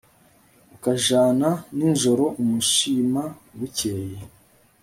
ukujana ninjoro umushima bukeye